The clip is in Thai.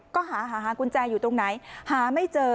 ก็หาหากุญแจอยู่ตรงไหนหาไม่เจอ